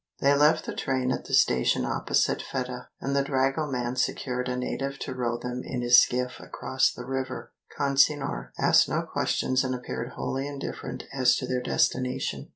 They left the train at the station opposite Fedah, and the dragoman secured a native to row them in his skiff across the river. Consinor asked no questions and appeared wholly indifferent as to their destination.